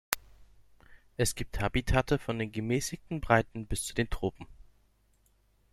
Es gibt Habitate von den Gemäßigten Breiten bis zu den Tropen.